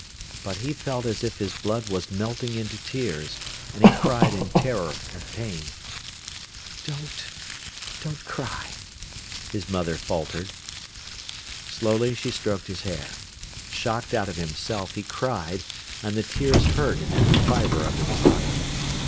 But he felt as if his blood was melting into tears, and he cried in terror and pain. "Don't—don't cry," his mother faltered. Slowly she stroked his hair. Shocked out of himself, he cried, and the tears hurt in every fibre of his body.